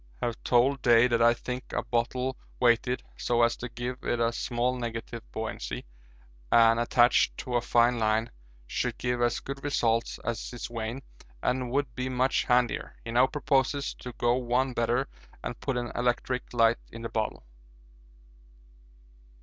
Have told Day that I think a bottle weighted so as to give it a small negative buoyancy, and attached to a fine line, should give as good results as his vane and would be much handier. He now proposes to go one better and put an electric light in the bottle.